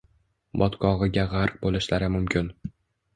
Botqog‘iga g‘arq bo‘lishlari mumkin.